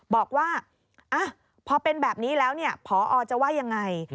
บอกว่าพอเป็นแบบนี้แล้วพอจะว่ายังไง